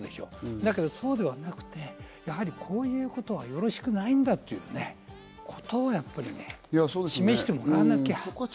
だけど、そうではなくて、こういうことはよろしくないんだということをね、やっぱり示してもらわなきゃ。